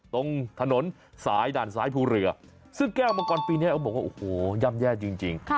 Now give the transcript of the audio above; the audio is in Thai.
ตรงถนนสายด่านซ้ายภูเรือซึ่งแก้วมังกรปีนี้เขาบอกว่าโอ้โหย่ำแย่จริง